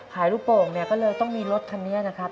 ลูกโป่งเนี่ยก็เลยต้องมีรถคันนี้นะครับ